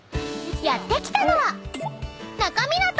［やって来たのは］